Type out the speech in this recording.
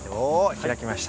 開きました。